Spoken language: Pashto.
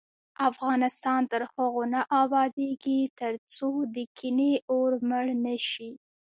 افغانستان تر هغو نه ابادیږي، ترڅو د کینې اور مړ نشي.